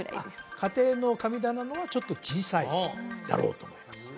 家庭の神棚のはちょっと小さいだろうと思います